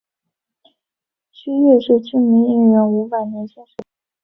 薛岳是知名艺人伍佰年轻时的偶像。